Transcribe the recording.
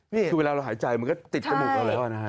เวลาเราหายใจมันก็ติดจมูกเราแล้วนะฮะ